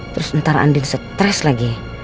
terus ntar andin stres lagi